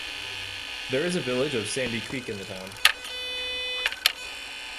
There is a village of Sandy Creek in the town.